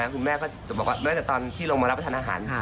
คือแม่ก็เมื่อจากตอนที่ลงมารับไปทานอาหาร